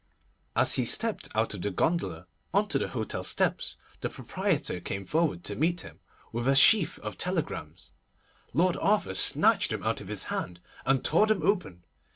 As he stepped out of his gondola on to the hotel steps, the proprietor came forward to meet him with a sheaf of telegrams. Lord Arthur snatched them out of his hand, and tore them open.